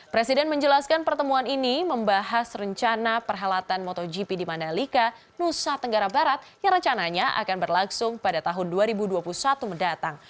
presiden menjelaskan pertemuan ini membahas rencana perhelatan motogp di mandalika nusa tenggara barat yang rencananya akan berlangsung pada tahun dua ribu dua puluh satu mendatang